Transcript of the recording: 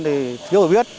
thiếu hiểu biết